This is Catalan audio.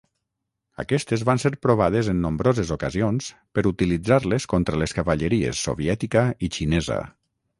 Aquestes van ser provades en nombroses ocasions per utilitzar-les contra les cavalleries soviètica i xinesa.